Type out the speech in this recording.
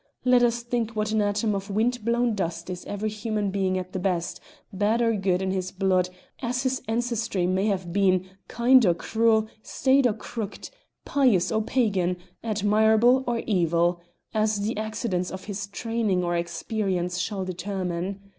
Let us think what an atom of wind blown dust is every human being at the best, bad or good in his blood as his ancestry may have been, kind or cruel, straight or crooked, pious or pagan, admirable or evil, as the accidents of his training or experience shall determine.